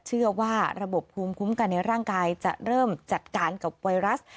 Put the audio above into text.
เชื่อว่าระบบภูมิคุ้มกันในร่างกายจะเริ่มจัดการกับไวรัส